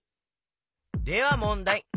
ではもんだい。